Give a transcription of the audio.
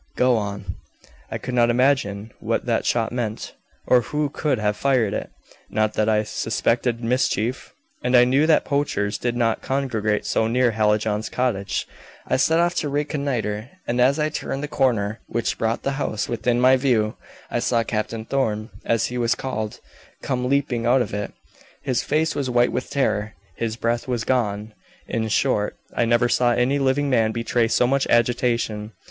"Go on." "I could not imagine what that shot meant, or who could have fired it not that I suspected mischief and I knew that poachers did not congregate so near Hallijohn's cottage. I set off to reconnoiter, and as I turned the corner, which brought the house within my view, I saw Captain Thorn, as he was called, come leaping out of it. His face was white with terror, his breath was gone in short, I never saw any living man betray so much agitation.